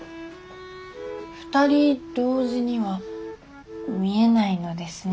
２人同時には見えないのですね。